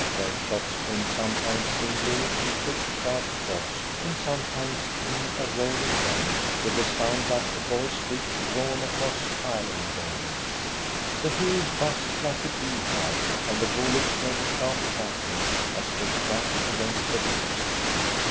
Their shots came sometimes singly in quick, sharp throbs, and sometimes in a rolling volley, with a sound like a boy's stick drawn across iron railings. The hill buzzed like a bee hive, and the bullets made a sharp crackling as they struck against the rocks.